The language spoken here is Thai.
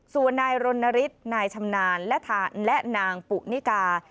ส่วนนายรณฤทธิ์นายชำนาญและนางปุนิกา